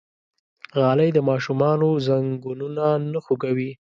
غالۍ د ماشومانو زنګونونه نه خوږوي.